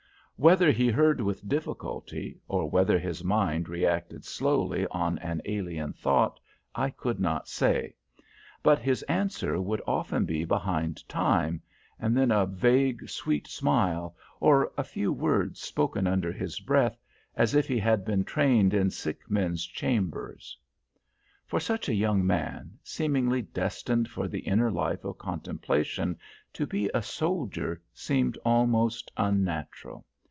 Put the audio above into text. Whether he heard with difficulty, or whether his mind reacted slowly on an alien thought, I could not say; but his answer would often be behind time, and then a vague, sweet smile, or a few words spoken under his breath, as if he had been trained in sick men's chambers. For such a young man, seemingly destined for the inner life of contemplation, to be a soldier seemed almost unnatural.